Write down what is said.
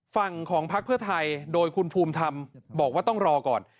ฝั่งของพักเพื่อไทยโดยคุณภูมิธรรมบอกว่าต้องรอก่อน